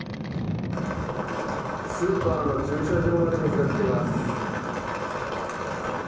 スーパーの駐車場まで水が来ています。